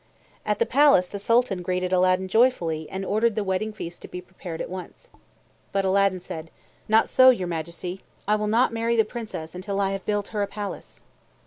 At the palace the Sultan greeted Aladdin joyfully and ordered the wedding feast to be prepared at once. But Aladdin said, "Not so, your Majesty. I will not marry the Princess until I have built her a palace."